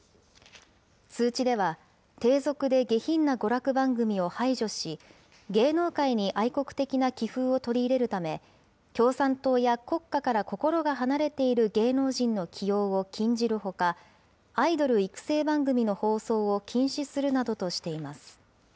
通知では、低俗で下品な娯楽番組を排除し、芸能界に愛国的な気風を取り入れるため、共産党や国家から心が離れている芸能人の起用を禁じるほか、アイドル育成番組の放送を禁止するなどとしています。